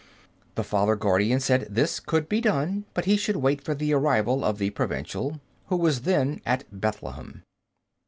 The Father Guardian said this could be done, but he should wait for the arrival of the Provincial, who was then at Bethlehem.